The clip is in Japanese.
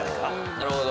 なるほど。